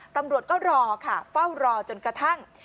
ตำรวจก็รอค่ะเฝ้ารอจนกระทั่ง